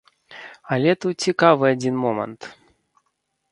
Але тут цікавы адзін момант.